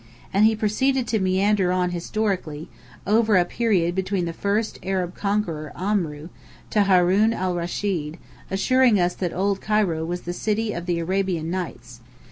And he proceeded to meander on historically, over a period between the first Arab conqueror Amru, to Haroun al Raschid, assuring us that old Cairo was the city of the Arabian Nights.